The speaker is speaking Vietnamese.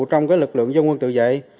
trong lực lượng dân quân tự vệ